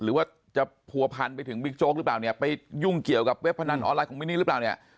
หรือว่าจะผัวพันไปถึงบิ๊กโจ๊กหรือเปล่าเนี่ยไปยุ่งเกี่ยวกับเว็บพนันออนไลนของมินนี่หรือเปล่าเนี่ย